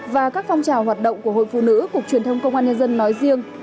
và các phong trào hoạt động của hội phụ nữ cục truyền thông công an nhân dân nói riêng